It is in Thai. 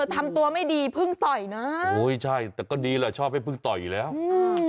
ทำตัวไม่ดีเพิ่งต่อยนะโอ้ยใช่แต่ก็ดีแหละชอบให้เพิ่งต่อยอยู่แล้วอืม